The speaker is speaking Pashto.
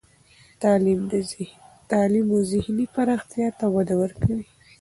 تعلیم و ذهني پراختیا ته وده ورکوي.